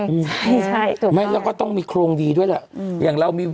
ใช่ถูกค่ะแล้วก็ต้องมีโครงดีด้วยล่ะอย่างเรามี